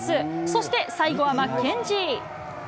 そして最後はマッケンジー。